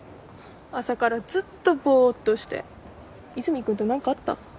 朝からずっとボーッとして和泉君と何かあった？